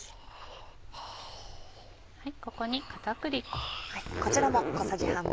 ここに片栗粉。